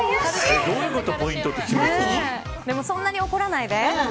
でも、そんなに怒らないで。